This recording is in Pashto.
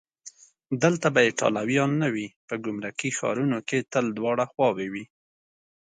دلته به ایټالویان نه وي؟ په ګمرکي ښارونو کې تل دواړه خواوې وي.